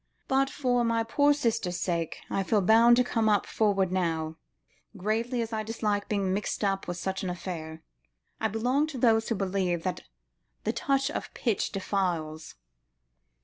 But, for my poor sister's sake, I feel bound to come forward now, greatly as I dislike being mixed up with such an affair. I belong to those who believe that the touch of pitch defiles."